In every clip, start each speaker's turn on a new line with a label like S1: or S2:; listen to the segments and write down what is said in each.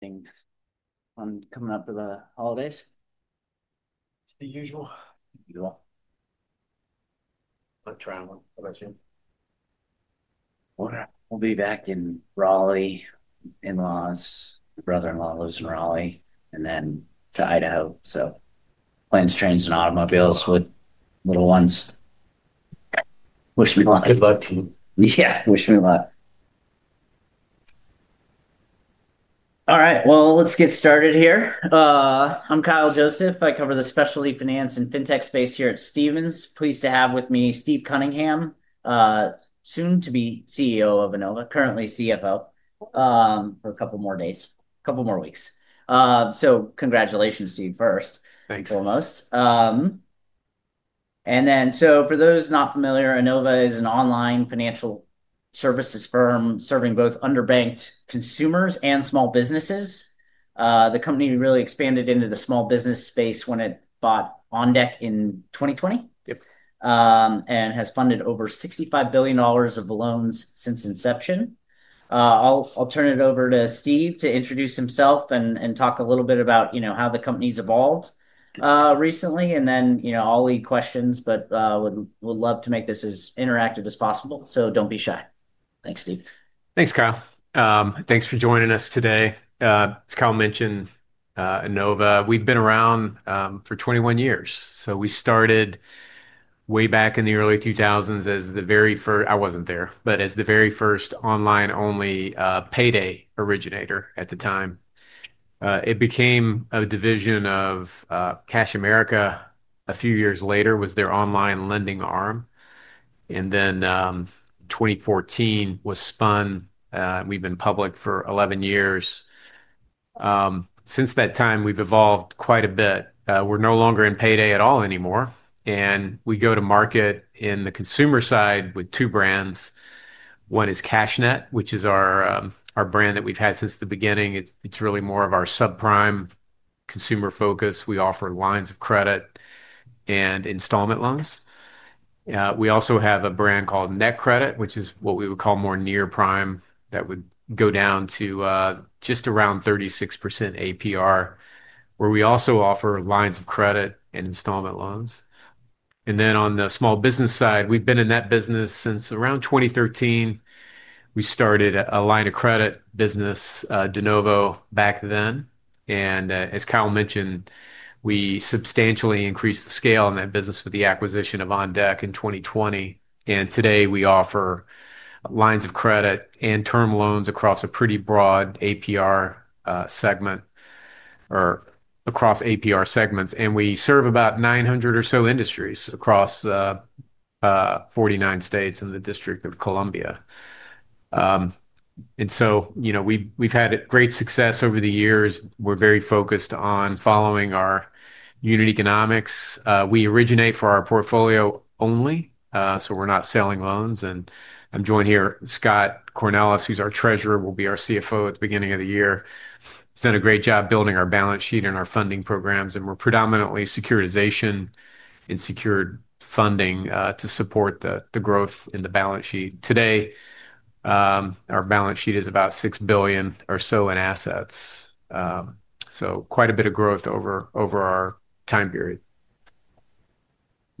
S1: Things on coming up with the holidays?
S2: It's the usual.
S1: Usual.
S2: Traveling, I bet you.
S1: We'll be back in Raleigh, in-laws, brother-in-law lives in Raleigh, and then to Idaho. Plans, trains, and automobiles with little ones.
S2: Wish me luck.
S1: Yeah, wish me luck. All right, let's get started here. I'm Kyle Joseph. I cover the specialty finance and fintech space here at Stephens. Pleased to have with me Steve Cunningham, soon to be CEO of Enova, currently CFO for a couple more days, a couple more weeks. Congratulations, Steve, first.
S2: Thanks.
S1: Almost. For those not familiar, Enova is an online financial services firm serving both underbanked consumers and small businesses. The company really expanded into the small business space when it bought OnDeck in 2020.
S2: Yep.
S1: It has funded over $65 billion of loans since inception. I'll turn it over to Steve to introduce himself and talk a little bit about how the company's evolved recently. I'll lead questions, but would love to make this as interactive as possible. Do not be shy. Thanks, Steve.
S2: Thanks, Kyle. Thanks for joining us today. As Kyle mentioned, Enova, we've been around for 21 years. We started way back in the early 2000s as the very first—I wasn't there—but as the very first online-only payday originator at the time. It became a division of Cash America a few years later, was their online lending arm. In 2014, we were spun. We've been public for 11 years. Since that time, we've evolved quite a bit. We're no longer in payday at all anymore. We go to market on the consumer side with two brands. One is CashNet, which is our brand that we've had since the beginning. It's really more of our subprime consumer focus. We offer lines of credit and installment loans. We also have a brand called NetCredit, which is what we would call more near-prime. That would go down to just around 36% APR, where we also offer lines of credit and installment loans. On the small business side, we've been in that business since around 2013. We started a line of credit business, [Denovo], back then. As Kyle mentioned, we substantially increased the scale in that business with the acquisition of OnDeck in 2020. Today, we offer lines of credit and term loans across a pretty broad APR segment or across APR segments. We serve about 900 or so industries across 49 states in the District of Columbia. We've had great success over the years. We're very focused on following our unit economics. We originate for our portfolio only, so we're not selling loans. I'm joined here, Scott Cornelis, who's our Treasurer, will be our CFO at the beginning of the year. He's done a great job building our balance sheet and our funding programs. We're predominantly securitization and secured funding to support the growth in the balance sheet. Today, our balance sheet is about $6 billion or so in assets. Quite a bit of growth over our time period.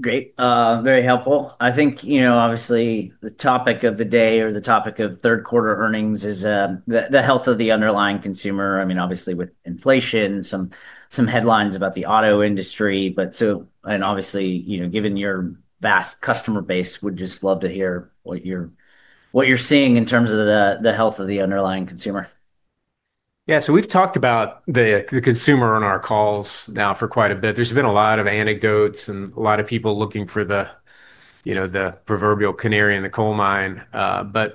S1: Great. Very helpful. I think, obviously, the topic of the day or the topic of third-quarter earnings is the health of the underlying consumer. I mean, obviously, with inflation, some headlines about the auto industry. Obviously, given your vast customer base, we'd just love to hear what you're seeing in terms of the health of the underlying consumer.
S2: Yeah. We've talked about the consumer on our calls now for quite a bit. There's been a lot of anecdotes and a lot of people looking for the proverbial canary in the coal mine.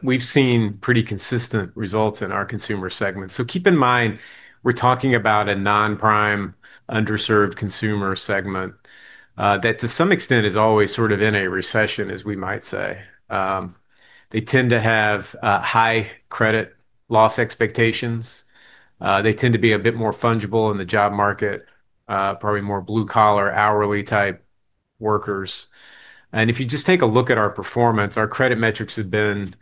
S2: We've seen pretty consistent results in our consumer segment. Keep in mind, we're talking about a non-prime, underserved consumer segment that, to some extent, is always sort of in a recession, as we might say. They tend to have high credit loss expectations. They tend to be a bit more fungible in the job market, probably more blue-collar, hourly-type workers. If you just take a look at our performance, our credit metrics have been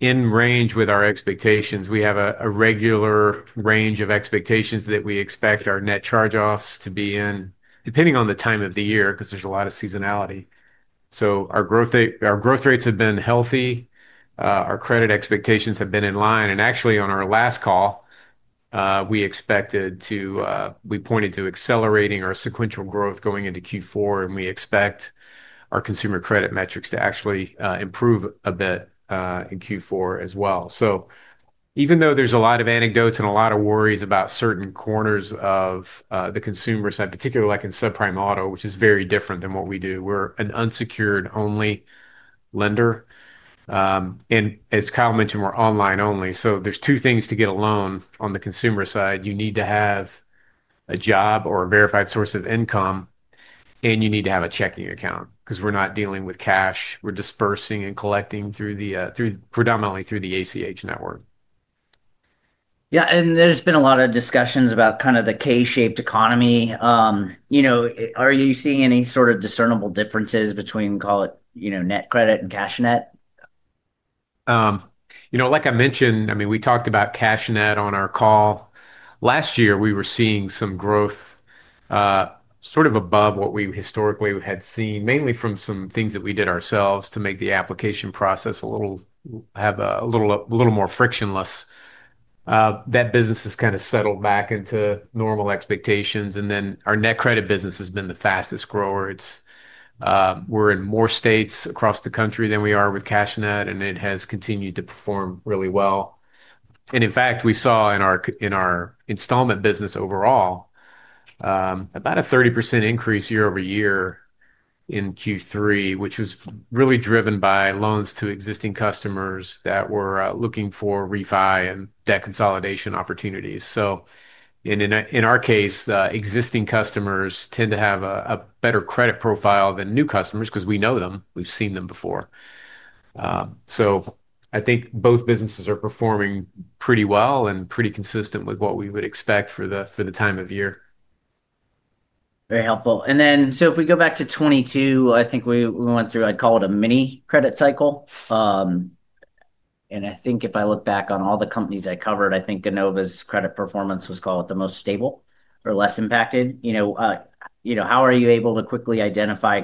S2: in range with our expectations. We have a regular range of expectations that we expect our net charge-offs to be in, depending on the time of the year because there's a lot of seasonality. Our growth rates have been healthy. Our credit expectations have been in line. Actually, on our last call, we pointed to accelerating our sequential growth going into Q4. We expect our consumer credit metrics to actually improve a bit in Q4 as well. Even though there's a lot of anecdotes and a lot of worries about certain corners of the consumer side, particularly in subprime auto, which is very different than what we do, we're an unsecured-only lender. As Kyle mentioned, we're online-only. There are two things to get a loan on the consumer side. You need to have a job or a verified source of income, and you need to have a checking account because we're not dealing with cash. We're dispersing and collecting predominantly through the ACH network.
S1: Yeah. There has been a lot of discussions about kind of the K-shaped economy. Are you seeing any sort of discernible differences between, call it, NetCredit and CashNet?
S2: Like I mentioned, I mean, we talked about CashNet on our call. Last year, we were seeing some growth sort of above what we historically had seen, mainly from some things that we did ourselves to make the application process a little more frictionless. That business has kind of settled back into normal expectations. Our NetCredit business has been the fastest grower. We're in more states across the country than we are with CashNet, and it has continued to perform really well. In fact, we saw in our installment business overall about a 30% increase year-over-year in Q3, which was really driven by loans to existing customers that were looking for refi and debt consolidation opportunities. In our case, existing customers tend to have a better credit profile than new customers because we know them. We've seen them before. I think both businesses are performing pretty well and pretty consistent with what we would expect for the time of year.
S1: Very helpful. If we go back to 2022, I think we went through, I'd call it, a mini credit cycle. I think if I look back on all the companies I covered, I think Enova's credit performance was, call it, the most stable or less impacted. How are you able to quickly identify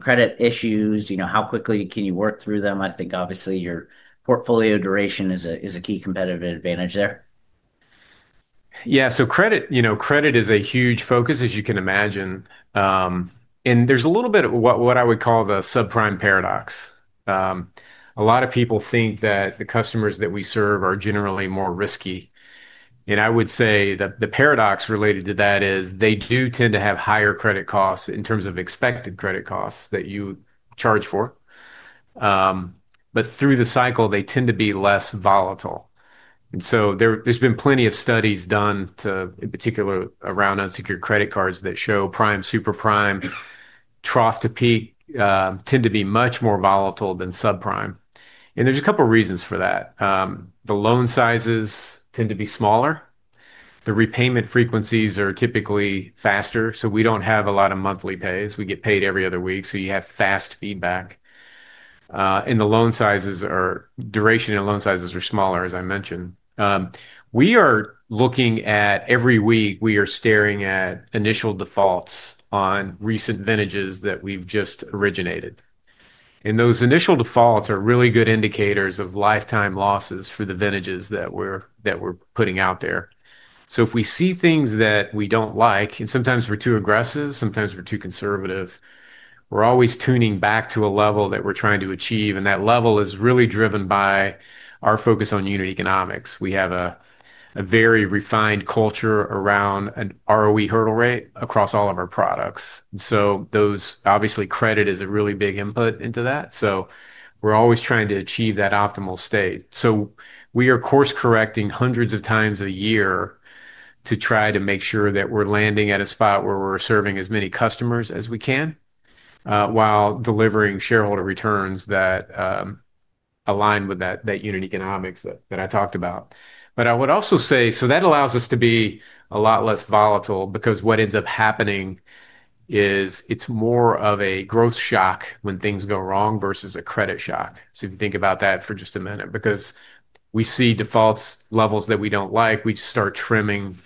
S1: credit issues? How quickly can you work through them? I think, obviously, your portfolio duration is a key competitive advantage there.
S2: Yeah. Credit is a huge focus, as you can imagine. There's a little bit of what I would call the subprime paradox. A lot of people think that the customers that we serve are generally more risky. I would say that the paradox related to that is they do tend to have higher credit costs in terms of expected credit costs that you charge for. Through the cycle, they tend to be less volatile. There have been plenty of studies done, in particular around unsecured credit cards, that show prime, superprime, trough to peak tend to be much more volatile than subprime. There are a couple of reasons for that. The loan sizes tend to be smaller. The repayment frequencies are typically faster. We do not have a lot of monthly pays. We get paid every other week, so you have fast feedback. The loan sizes are duration and loan sizes are smaller, as I mentioned. We are looking at every week, we are staring at initial defaults on recent vintages that we've just originated. Those initial defaults are really good indicators of lifetime losses for the vintages that we're putting out there. If we see things that we don't like, and sometimes we're too aggressive, sometimes we're too conservative, we're always tuning back to a level that we're trying to achieve. That level is really driven by our focus on unit economics. We have a very refined culture around an ROE hurdle rate across all of our products. Obviously, credit is a really big input into that. We're always trying to achieve that optimal state. We are course-correcting hundreds of times a year to try to make sure that we're landing at a spot where we're serving as many customers as we can while delivering shareholder returns that align with that unit economics that I talked about. I would also say, that allows us to be a lot less volatile because what ends up happening is it's more of a growth shock when things go wrong versus a credit shock. If you think about that for just a minute, because we see defaults levels that we don't like, we just start trimming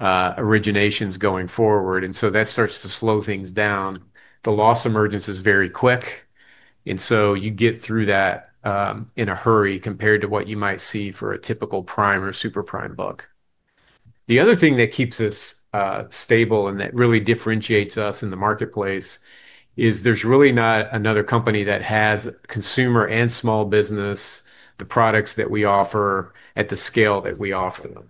S2: originations going forward. That starts to slow things down. The loss emerges very quick. You get through that in a hurry compared to what you might see for a typical prime or superprime book. The other thing that keeps us stable and that really differentiates us in the marketplace is there's really not another company that has consumer and small business, the products that we offer at the scale that we offer them.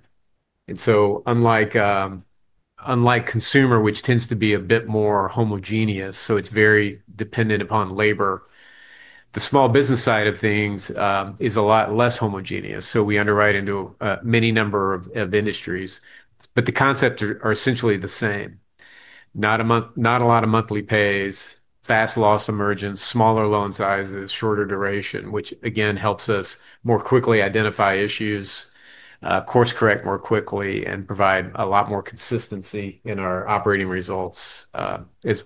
S2: Unlike consumer, which tends to be a bit more homogeneous, so it's very dependent upon labor, the small business side of things is a lot less homogeneous. We underwrite into a mini number of industries, but the concepts are essentially the same. Not a lot of monthly pays, fast loss emergence, smaller loan sizes, shorter duration, which, again, helps us more quickly identify issues, course-correct more quickly, and provide a lot more consistency in our operating results as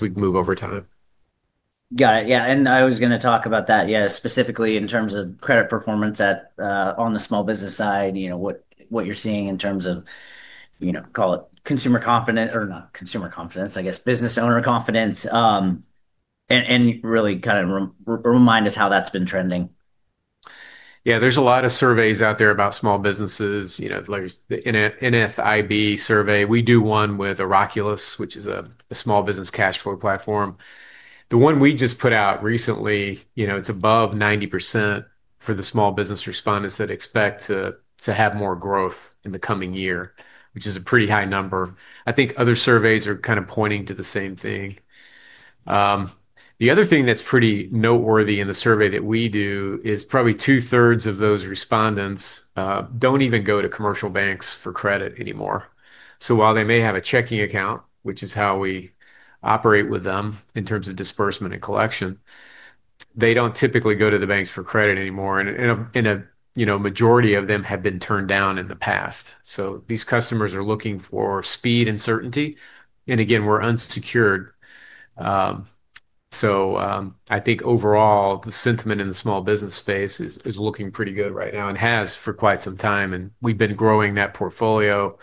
S2: we move over time.
S1: Got it. Yeah. I was going to talk about that, yeah, specifically in terms of credit performance on the small business side, what you're seeing in terms of, call it, consumer confidence or not consumer confidence, I guess, business owner confidence, and really kind of remind us how that's been trending.
S2: Yeah. There's a lot of surveys out there about small businesses, like the NFIB survey. We do one with Oraculus, which is a small business cash flow platform. The one we just put out recently, it's above 90% for the small business respondents that expect to have more growth in the coming year, which is a pretty high number. I think other surveys are kind of pointing to the same thing. The other thing that's pretty noteworthy in the survey that we do is probably two-thirds of those respondents don't even go to commercial banks for credit anymore. While they may have a checking account, which is how we operate with them in terms of disbursement and collection, they don't typically go to the banks for credit anymore. A majority of them have been turned down in the past. These customers are looking for speed and certainty. We're unsecured. I think overall, the sentiment in the small business space is looking pretty good right now and has for quite some time. We've been growing that portfolio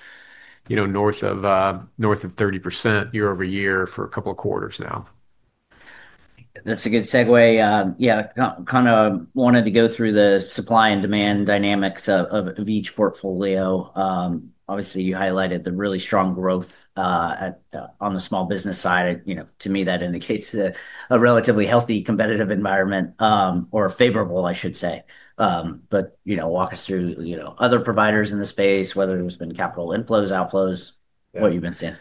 S2: north of 30% year-over-year for a couple of quarters now.
S1: That's a good segue. Yeah. Kind of wanted to go through the supply and demand dynamics of each portfolio. Obviously, you highlighted the really strong growth on the small business side. To me, that indicates a relatively healthy competitive environment or favorable, I should say. Walk us through other providers in the space, whether there's been capital inflows, outflows, what you've been seeing.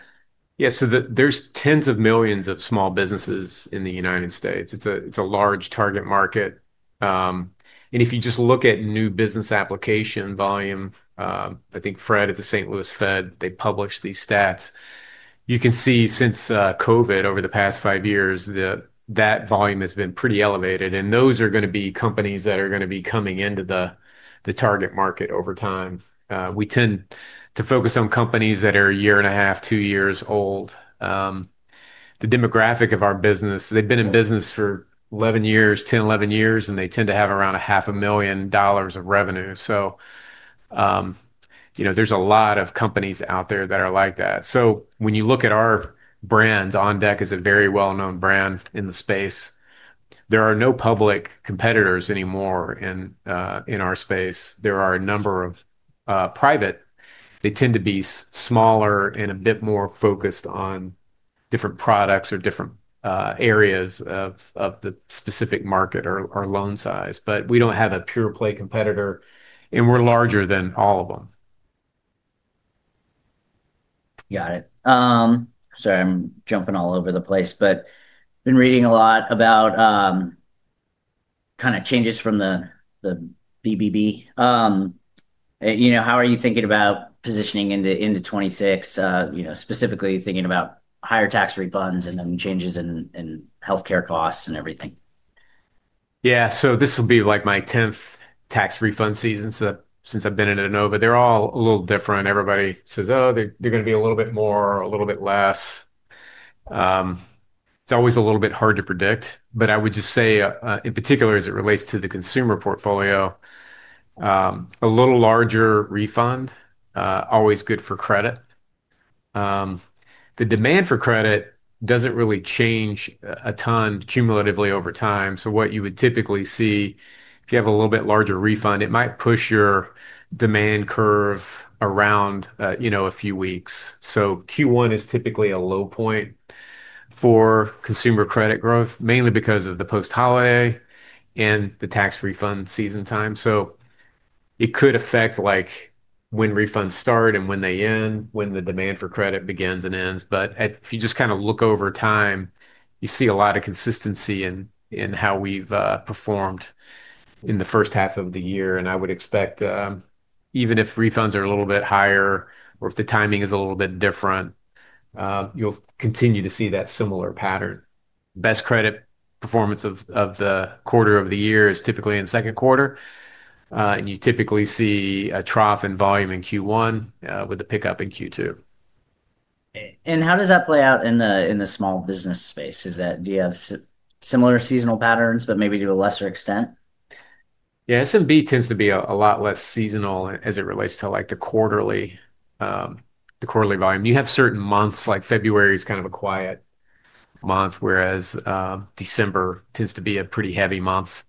S2: Yeah. There are tens of millions of small businesses in the United States. It's a large target market. If you just look at new business application volume, I think FRED at the St. Louis Fed, they published these stats. You can see since COVID over the past five years, that volume has been pretty elevated. Those are going to be companies that are going to be coming into the target market over time. We tend to focus on companies that are a year and a half, two years old. The demographic of our business, they've been in business for 11 years, 10, 11 years, and they tend to have around $500,000 of revenue. There are a lot of companies out there that are like that. When you look at our brand, OnDeck is a very well-known brand in the space. There are no public competitors anymore in our space. There are a number of private. They tend to be smaller and a bit more focused on different products or different areas of the specific market or loan size. We do not have a pure-play competitor, and we are larger than all of them.
S1: Got it. Sorry, I'm jumping all over the place, but been reading a lot about kind of changes from the BBB. How are you thinking about positioning into 2026, specifically thinking about higher tax refunds and then changes in healthcare costs and everything?
S2: Yeah. This will be like my 10th tax refund season since I've been at Enova. They're all a little different. Everybody says, "Oh, they're going to be a little bit more, a little bit less." It's always a little bit hard to predict. I would just say, in particular, as it relates to the consumer portfolio, a little larger refund, always good for credit. The demand for credit doesn't really change a ton cumulatively over time. What you would typically see, if you have a little bit larger refund, it might push your demand curve around a few weeks. Q1 is typically a low point for consumer credit growth, mainly because of the post-holiday and the tax refund season time. It could affect when refunds start and when they end, when the demand for credit begins and ends. If you just kind of look over time, you see a lot of consistency in how we've performed in the first half of the year. I would expect even if refunds are a little bit higher or if the timing is a little bit different, you'll continue to see that similar pattern. Best credit performance of the quarter of the year is typically in the second quarter. You typically see a trough in volume in Q1 with a pickup in Q2.
S1: How does that play out in the small business space? Do you have similar seasonal patterns, but maybe to a lesser extent?
S2: Yeah. SMB tends to be a lot less seasonal as it relates to the quarterly volume. You have certain months, like February is kind of a quiet month, whereas December tends to be a pretty heavy month.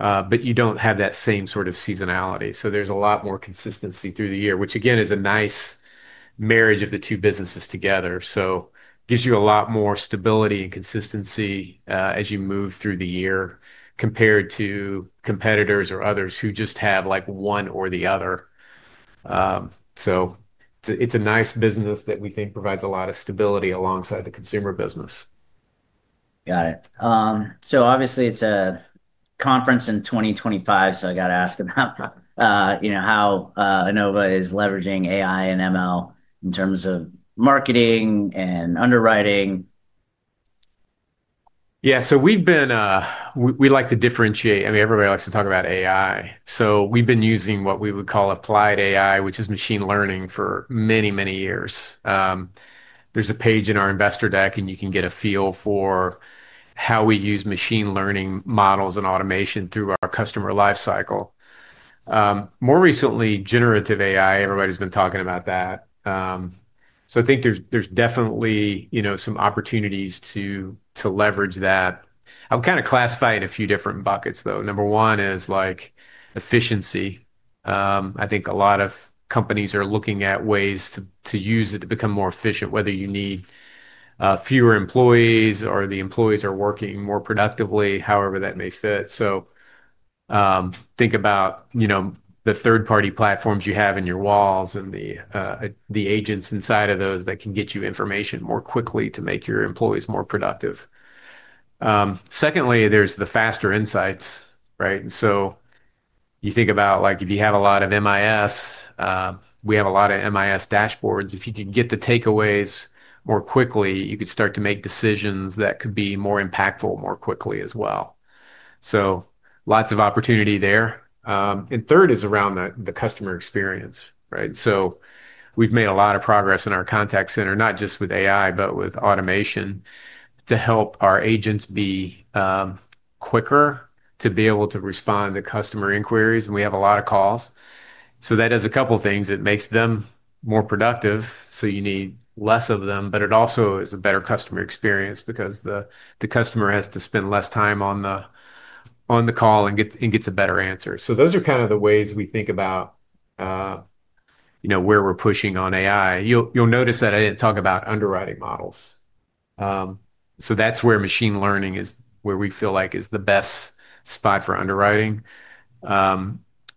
S2: You do not have that same sort of seasonality. There is a lot more consistency through the year, which, again, is a nice marriage of the two businesses together. It gives you a lot more stability and consistency as you move through the year compared to competitors or others who just have one or the other. It is a nice business that we think provides a lot of stability alongside the consumer business.
S1: Got it. Obviously, it's a conference in 2025. I got to ask about how Enova is leveraging AI and ML in terms of marketing and underwriting.
S2: Yeah. We like to differentiate. I mean, everybody likes to talk about AI. We have been using what we would call applied AI, which is machine learning, for many, many years. There is a page in our investor deck, and you can get a feel for how we use machine learning models and automation through our customer lifecycle. More recently, generative AI, everybody has been talking about that. I think there are definitely some opportunities to leverage that. I will kind of classify it in a few different buckets, though. Number one is efficiency. I think a lot of companies are looking at ways to use it to become more efficient, whether you need fewer employees or the employees are working more productively, however that may fit. Think about the third-party platforms you have in your walls and the agents inside of those that can get you information more quickly to make your employees more productive. Secondly, there's the faster insights, right? You think about if you have a lot of MIS, we have a lot of MIS dashboards. If you can get the takeaways more quickly, you could start to make decisions that could be more impactful more quickly as well. Lots of opportunity there. Third is around the customer experience, right? We've made a lot of progress in our contact center, not just with AI, but with automation to help our agents be quicker to be able to respond to customer inquiries. We have a lot of calls. That does a couple of things. It makes them more productive, so you need less of them. It also is a better customer experience because the customer has to spend less time on the call and gets a better answer. Those are kind of the ways we think about where we're pushing on AI. You'll notice that I didn't talk about underwriting models. That's where machine learning is where we feel like is the best spot for underwriting.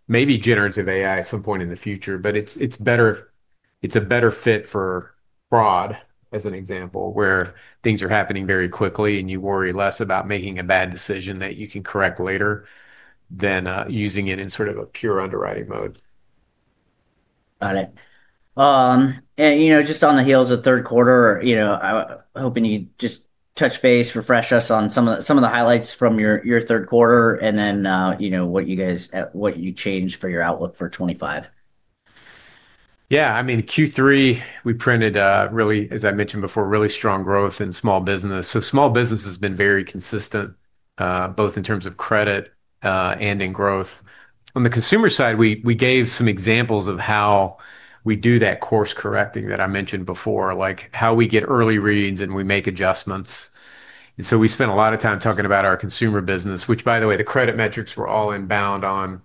S2: Maybe generative AI at some point in the future, but it's a better fit for fraud, as an example, where things are happening very quickly and you worry less about making a bad decision that you can correct later than using it in sort of a pure underwriting mode.
S1: Got it. Just on the heels of third quarter, I'm hoping you just touch base, refresh us on some of the highlights from your third quarter and then what you changed for your outlook for 2025.
S2: Yeah. I mean, Q3, we printed, as I mentioned before, really strong growth in small business. Small business has been very consistent, both in terms of credit and in growth. On the consumer side, we gave some examples of how we do that course correcting that I mentioned before, like how we get early reads and we make adjustments. We spent a lot of time talking about our consumer business, which, by the way, the credit metrics were all inbound on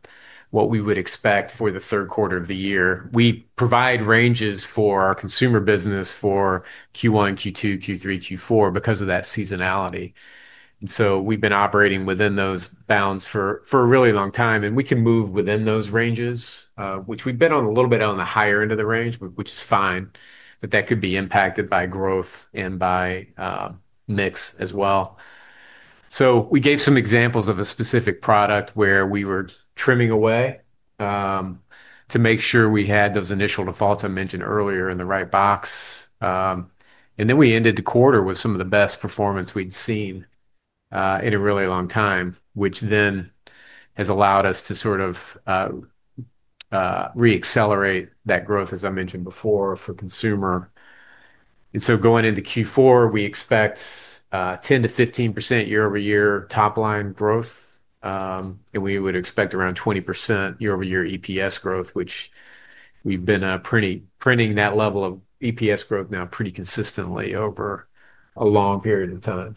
S2: what we would expect for the third quarter of the year. We provide ranges for our consumer business for Q1, Q2, Q3, Q4 because of that seasonality. We have been operating within those bounds for a really long time. We can move within those ranges, which we've been on a little bit on the higher end of the range, which is fine, but that could be impacted by growth and by mix as well. We gave some examples of a specific product where we were trimming away to make sure we had those initial defaults I mentioned earlier in the right box. We ended the quarter with some of the best performance we'd seen in a really long time, which then has allowed us to sort of re-accelerate that growth, as I mentioned before, for consumer. Going into Q4, we expect 10%-15% year-over-year top-line growth. We would expect around 20% year-over-year EPS growth, which we've been printing that level of EPS growth now pretty consistently over a long period of time.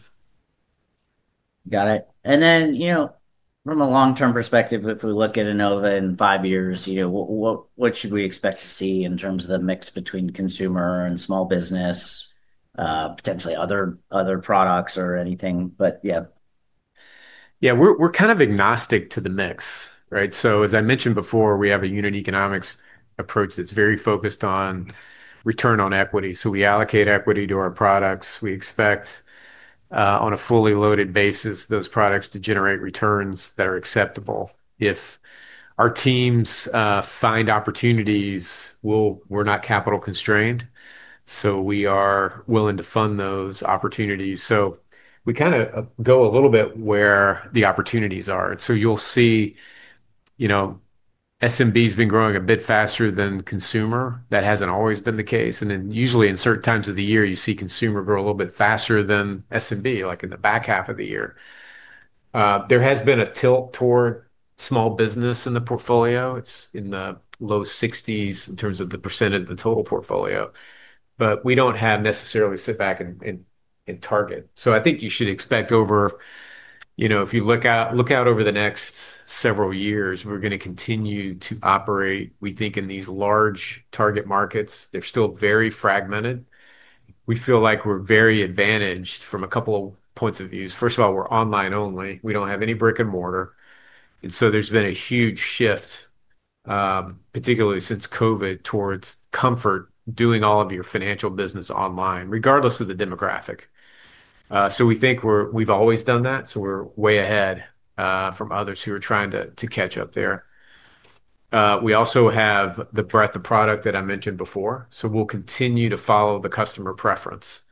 S1: Got it. From a long-term perspective, if we look at Enova in five years, what should we expect to see in terms of the mix between consumer and small business, potentially other products or anything? Yeah.
S2: Yeah. We're kind of agnostic to the mix, right? As I mentioned before, we have a unit economics approach that's very focused on return on equity. We allocate equity to our products. We expect, on a fully loaded basis, those products to generate returns that are acceptable. If our teams find opportunities, we're not capital constrained. We are willing to fund those opportunities. We kind of go a little bit where the opportunities are. You'll see SMB has been growing a bit faster than consumer. That hasn't always been the case. Usually in certain times of the year, you see consumer grow a little bit faster than SMB, like in the back half of the year. There has been a tilt toward small business in the portfolio. It's in the low 60% in terms of the percent of the total portfolio. We do not have to necessarily sit back and target. I think you should expect over, if you look out over the next several years, we are going to continue to operate, we think, in these large target markets. They are still very fragmented. We feel like we are very advantaged from a couple of points of view. First of all, we are online only. We do not have any brick and mortar. There has been a huge shift, particularly since COVID, towards comfort doing all of your financial business online, regardless of the demographic. We think we have always done that. We are way ahead of others who are trying to catch up there. We also have the breadth of product that I mentioned before. We will continue to follow the customer preference.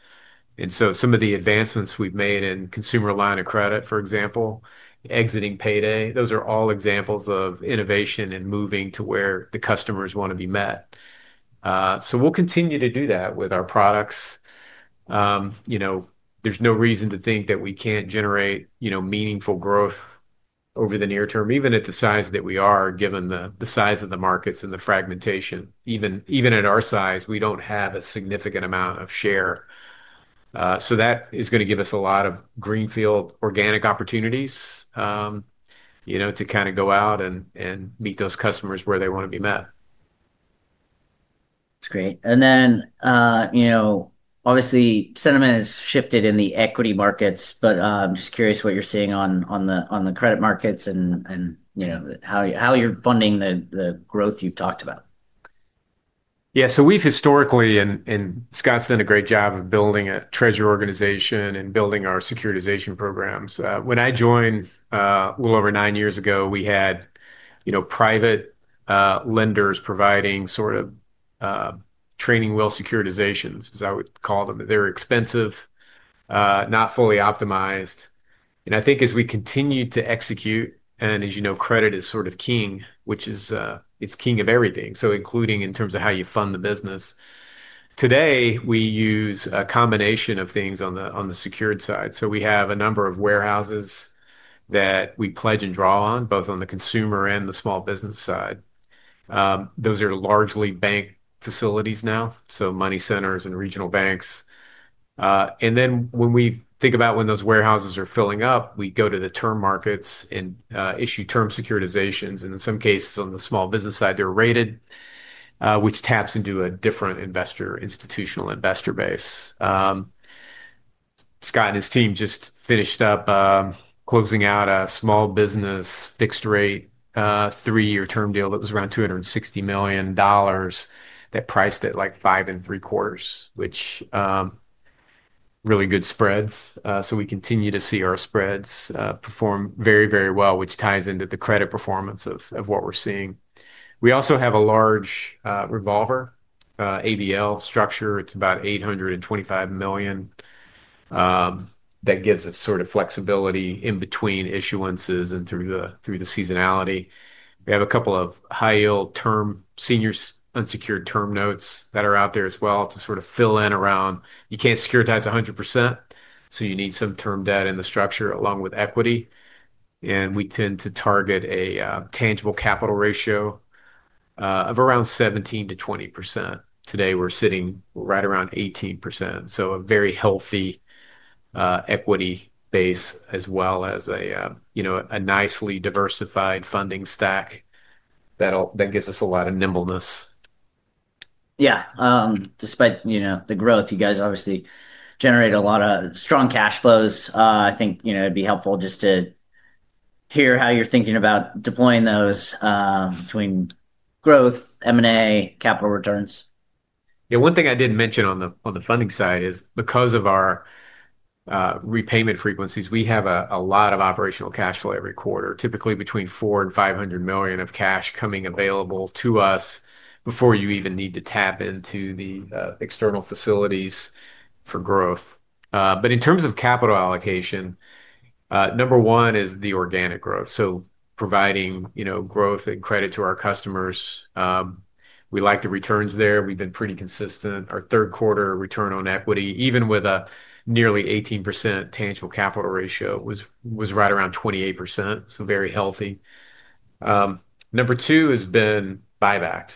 S2: Some of the advancements we've made in consumer line of credit, for example, exiting payday, those are all examples of innovation and moving to where the customers want to be met. We will continue to do that with our products. There is no reason to think that we can't generate meaningful growth over the near term, even at the size that we are, given the size of the markets and the fragmentation. Even at our size, we do not have a significant amount of share. That is going to give us a lot of greenfield organic opportunities to kind of go out and meet those customers where they want to be met.
S1: That's great. Obviously, sentiment has shifted in the equity markets, but I'm just curious what you're seeing on the credit markets and how you're funding the growth you've talked about.
S2: Yeah. We have historically, and Scott's done a great job of building a treasury organization and building our securitization programs. When I joined a little over nine years ago, we had private lenders providing sort of training wheel securitizations, as I would call them. They're expensive, not fully optimized. I think as we continue to execute, and as you know, credit is sort of king, which is, it's king of everything, including in terms of how you fund the business. Today, we use a combination of things on the secured side. We have a number of warehouses that we pledge and draw on, both on the consumer and the small business side. Those are largely bank facilities now, so money centers and regional banks. When we think about when those warehouses are filling up, we go to the term markets and issue term securitizations. In some cases on the small business side, they're rated, which taps into a different investor, institutional investor base. Scott and his team just finished up closing out a small business fixed rate three-year term deal that was around $260 million that priced at like five and three quarters, which really good spreads. We continue to see our spreads perform very, very well, which ties into the credit performance of what we're seeing. We also have a large revolver ABL structure. It's about $825 million. That gives us sort of flexibility in between issuances and through the seasonality. We have a couple of high-yield term seniors unsecured term notes that are out there as well to sort of fill in around you can't securitize 100%, so you need some term debt in the structure along with equity. We tend to target a tangible capital ratio of around 17%-20%. Today, we're sitting right around 18%. A very healthy equity base as well as a nicely diversified funding stack that gives us a lot of nimbleness.
S1: Yeah. Despite the growth, you guys obviously generate a lot of strong cash flows. I think it'd be helpful just to hear how you're thinking about deploying those between growth, M&A, capital returns.
S2: Yeah. One thing I didn't mention on the funding side is because of our repayment frequencies, we have a lot of operational cash flow every quarter, typically between $400 million and $500 million of cash coming available to us before you even need to tap into the external facilities for growth. In terms of capital allocation, number one is the organic growth. Providing growth and credit to our customers. We like the returns there. We've been pretty consistent. Our third quarter return on equity, even with a nearly 18% tangible capital ratio, was right around 28%, so very healthy. Number two has been buybacks.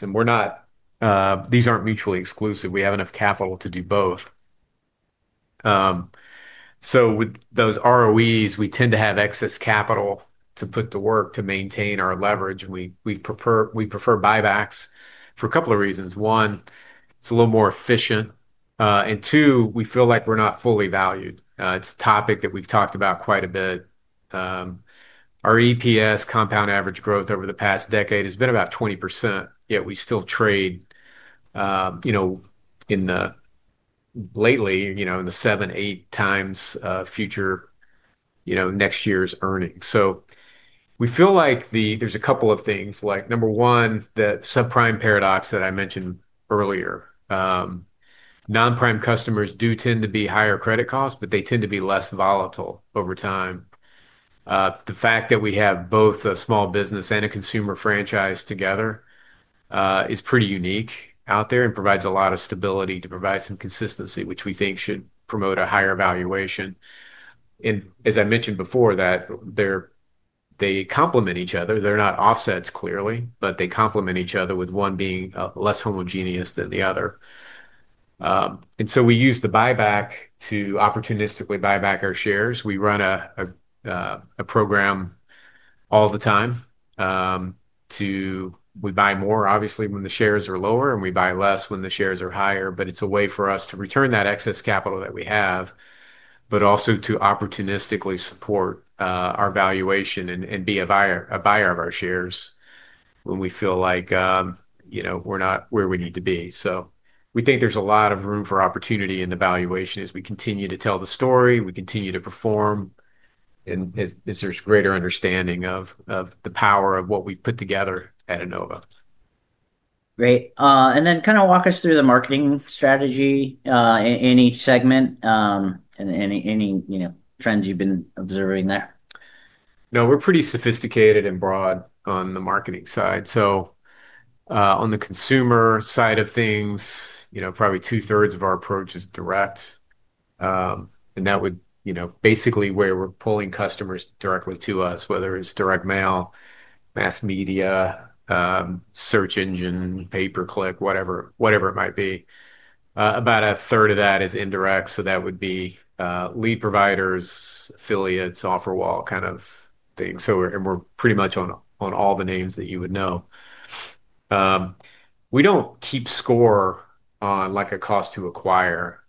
S2: These aren't mutually exclusive. We have enough capital to do both. With those ROEs, we tend to have excess capital to put to work to maintain our leverage. We prefer buybacks for a couple of reasons. One, it's a little more efficient. We feel like we're not fully valued. It's a topic that we've talked about quite a bit. Our EPS compound average growth over the past decade has been about 20%, yet we still trade lately in the seven-eight times future next year's earnings. We feel like there's a couple of things, like number one, that subprime paradox that I mentioned earlier. Non-prime customers do tend to be higher credit costs, but they tend to be less volatile over time. The fact that we have both a small business and a consumer franchise together is pretty unique out there and provides a lot of stability to provide some consistency, which we think should promote a higher valuation. As I mentioned before, they complement each other. They're not offsets clearly, but they complement each other with one being less homogeneous than the other. We use the buyback to opportunistically buy back our shares. We run a program all the time to buy more, obviously, when the shares are lower, and we buy less when the shares are higher. It is a way for us to return that excess capital that we have, but also to opportunistically support our valuation and be a buyer of our shares when we feel like we are not where we need to be. We think there is a lot of room for opportunity in the valuation as we continue to tell the story, we continue to perform, and there is greater understanding of the power of what we put together at Enova.
S1: Great. Kind of walk us through the marketing strategy in each segment and any trends you've been observing there.
S2: No, we're pretty sophisticated and broad on the marketing side. On the consumer side of things, probably two-thirds of our approach is direct. That would basically be where we're pulling customers directly to us, whether it's direct mail, mass media, search engine, pay-per-click, whatever it might be. About a third of that is indirect. That would be lead providers, affiliates, offer wall kind of thing. We're pretty much on all the names that you would know. We don't keep score on a cost to acquire.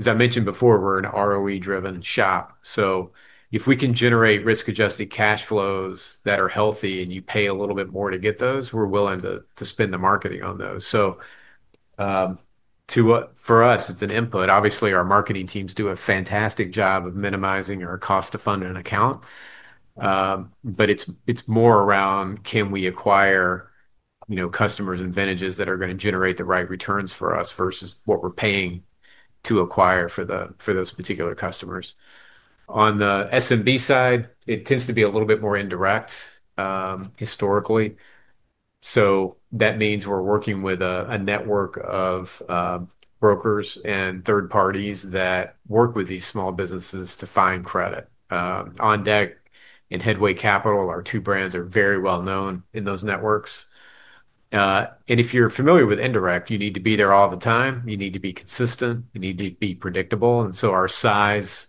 S2: As I mentioned before, we're an ROE-driven shop. If we can generate risk-adjusted cash flows that are healthy and you pay a little bit more to get those, we're willing to spend the marketing on those. For us, it's an input. Obviously, our marketing teams do a fantastic job of minimizing our cost-to-funding account. It is more around can we acquire customers and vintages that are going to generate the right returns for us versus what we are paying to acquire for those particular customers. On the SMB side, it tends to be a little bit more indirect historically. That means we are working with a network of brokers and third parties that work with these small businesses to find credit. OnDeck and Headway Capital, our two brands, are very well-known in those networks. If you are familiar with indirect, you need to be there all the time. You need to be consistent. You need to be predictable. Our size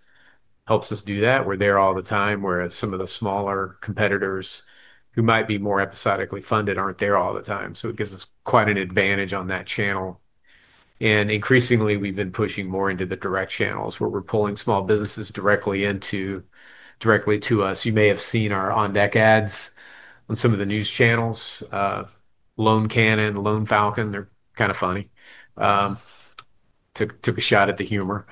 S2: helps us do that. We are there all the time, whereas some of the smaller competitors who might be more episodically funded are not there all the time. It gives us quite an advantage on that channel. Increasingly, we've been pushing more into the direct channels where we're pulling small businesses directly into directly to us. You may have seen our OnDeck ads on some of the news channels, Loan Cannon, Loan Falcon. They're kind of funny. Took a shot at the humor.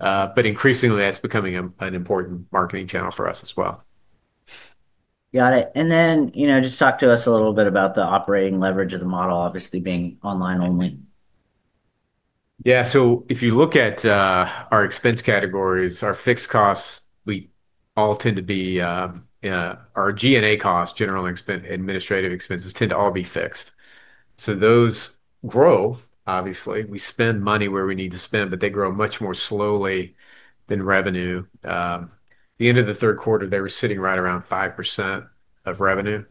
S2: Increasingly, that's becoming an important marketing channel for us as well.
S1: Got it. Just talk to us a little bit about the operating leverage of the model, obviously being online only.
S2: Yeah. If you look at our expense categories, our fixed costs, we all tend to be our G&A costs, general administrative expenses tend to all be fixed. Those grow, obviously. We spend money where we need to spend, but they grow much more slowly than revenue. At the end of the third quarter, they were sitting right around 5% of revenue.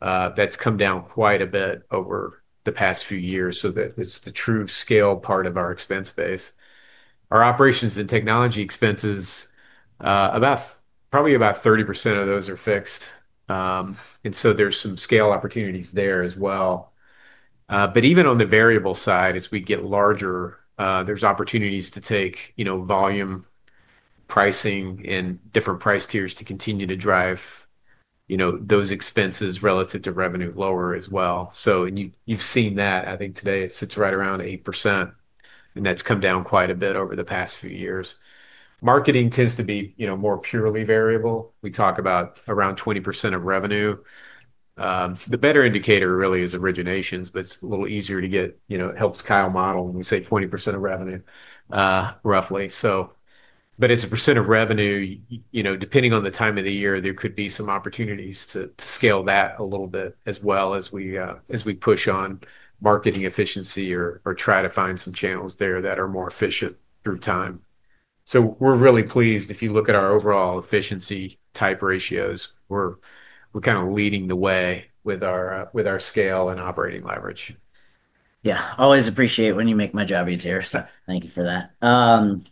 S2: That's come down quite a bit over the past few years. That is the true scale part of our expense base. Our operations and technology expenses, probably about 30% of those are fixed. There are some scale opportunities there as well. Even on the variable side, as we get larger, there are opportunities to take volume pricing and different price tiers to continue to drive those expenses relative to revenue lower as well. You have seen that. I think today it sits right around 8%. That has come down quite a bit over the past few years. Marketing tends to be more purely variable. We talk about around 20% of revenue. The better indicator really is originations, but it is a little easier to get, helps Kyle model when we say 20% of revenue, roughly. As a percent of revenue, depending on the time of the year, there could be some opportunities to scale that a little bit as we push on marketing efficiency or try to find some channels there that are more efficient through time. We are really pleased. If you look at our overall efficiency type ratios, we are kind of leading the way with our scale and operating leverage.
S1: Yeah. Always appreciate when you make my job easier. Thank you for that.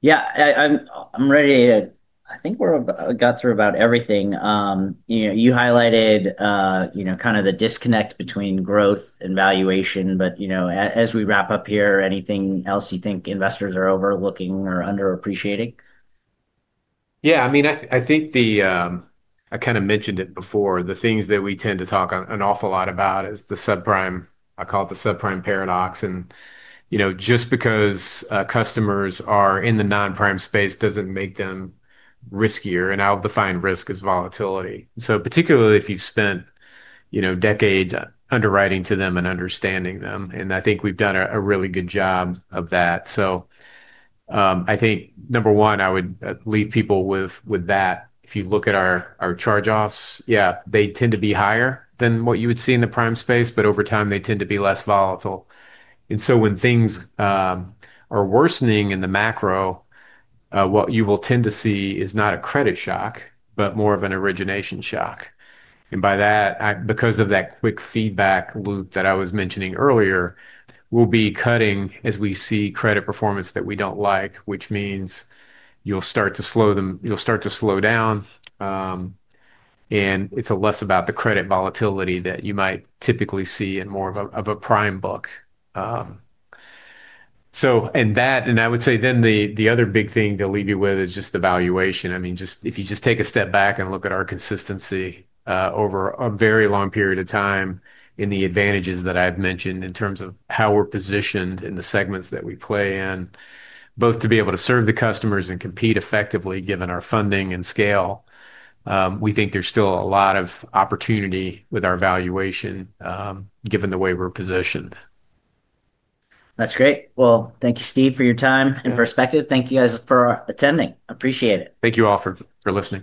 S1: Yeah. I'm ready. I think we've got through about everything. You highlighted kind of the disconnect between growth and valuation. As we wrap up here, anything else you think investors are overlooking or underappreciating?
S2: Yeah. I mean, I think I kind of mentioned it before. The things that we tend to talk an awful lot about is the subprime. I call it the subprime paradox. Just because customers are in the non-prime space doesn't make them riskier. I'll define risk as volatility. Particularly if you've spent decades underwriting to them and understanding them. I think we've done a really good job of that. Number one, I would leave people with that. If you look at our charge-offs, yeah, they tend to be higher than what you would see in the prime space, but over time, they tend to be less volatile. When things are worsening in the macro, what you will tend to see is not a credit shock, but more of an origination shock. By that, because of that quick feedback loop that I was mentioning earlier, we'll be cutting as we see credit performance that we don't like, which means you'll start to slow them, you'll start to slow down. It is less about the credit volatility that you might typically see in more of a prime book. I would say then the other big thing to leave you with is just the valuation. I mean, if you just take a step back and look at our consistency over a very long period of time and the advantages that I've mentioned in terms of how we're positioned in the segments that we play in, both to be able to serve the customers and compete effectively given our funding and scale, we think there's still a lot of opportunity with our valuation given the way we're positioned.
S1: That's great. Thank you, Steve, for your time and perspective. Thank you guys for attending. Appreciate it.
S2: Thank you all for listening.